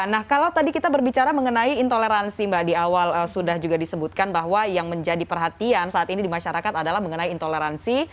nah kalau tadi kita berbicara mengenai intoleransi mbak di awal sudah juga disebutkan bahwa yang menjadi perhatian saat ini di masyarakat adalah mengenai intoleransi